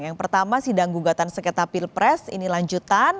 yang pertama sidang gugatan sekretar pilpres ini lanjutan